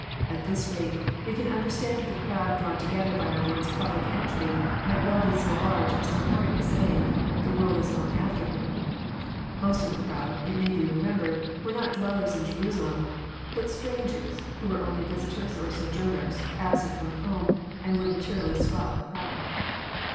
At this rate we can un derstand that the crowd drawn together by our Lord's public en try might well be so large as to warrant the saying, The world is gone after him." Most of the crowd, it may be remembered, were not dwellers in Jerusalem, but strangers, who were only JOHN, CHAP. XII. S31 visitors or sojourners, absent from home, and would materially swell a crowd.